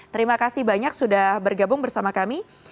terima kasih banyak sudah bergabung bersama kami